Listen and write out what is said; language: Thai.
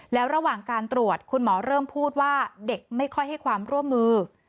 แล้วระหว่างการตรวจคุณหมอเริ่มพูดว่าเด็กไม่ค่อยให้ความร่วมมือ